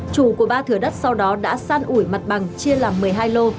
chủ của ba thừa đất sau đó đã san ủi mặt bằng chia làm một mươi hai lô